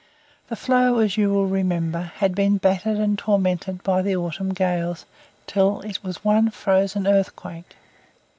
The floe, as you will remember, had been battered and tormented by the autumn gales till it was one frozen earthquake.